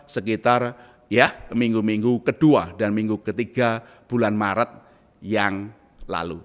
sekitar ya minggu minggu ke dua dan minggu ke tiga bulan maret yang lalu